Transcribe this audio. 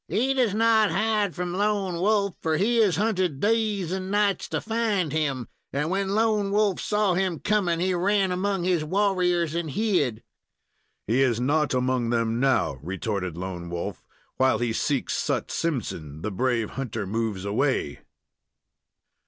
"He does not hide from Lone Wolf, for he has hunted days and nights to find him, and when Lone Wolf saw him coming, he ran among his warriors and hid." "He is not among them now," retorted Lone Wolf; "while he seeks Sut Simpson, the brave hunter moves away."